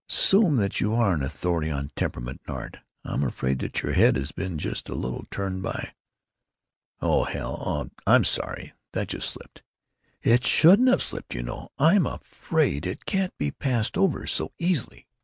"——assume that you are an authority on temperament and art. I'm afraid that your head has been just a little turned by——" "Oh, hell.... Oh, I'm sorry. That just slipped." "It shouldn't have slipped, you know. I'm afraid it can't be passed over so easily."